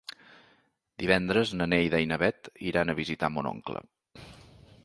Divendres na Neida i na Bet iran a visitar mon oncle.